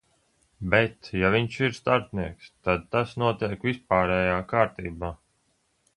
Bet, ja viņš ir starpnieks, tad tas notiek vispārējā kārtībā.